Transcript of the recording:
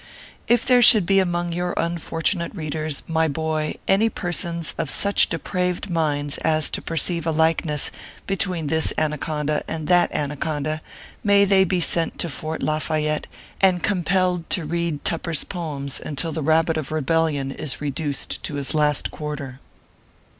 If there should be among your unfortunate readers, my boy, any persons of such depraved minds as to perceive a likeness between this Anaconda and that Anaconda, may they be sent to Fort Lafayette, and compelled to read Tupper s poems until the rabbit of rebellion is reduced to his last quarter